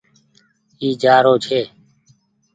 اي جآرو ڇي۔